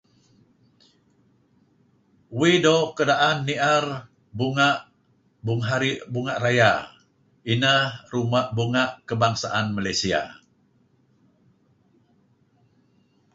Uih doo' keraan nier Bunga Bunga Raya. Inah ruma' bunga' kebangsaan Malaysia dah.